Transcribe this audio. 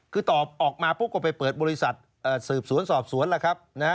คือตอบออกมาปุ๊บก็ไปเปิดบริษัทสืบสวนสอบสวนแล้วครับ